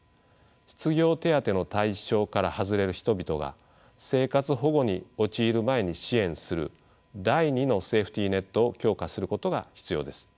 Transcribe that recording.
失業手当の対象から外れる人々が生活保護に陥る前に支援する第二のセーフティーネットを強化することが必要です。